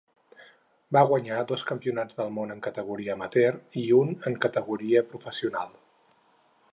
Va guanyar dos campionats del món en categoria amateur i un en categoria professional.